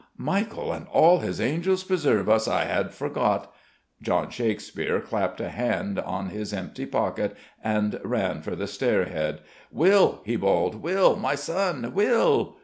"Michael and all his angels preserve us! I had forgot " John Shakespeare clapped a hand on his empty pocket, and ran for the stairhead. "Will!" he bawled. "Will! My son Will!"